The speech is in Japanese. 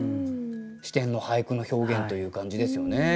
視点の俳句の表現という感じですよね。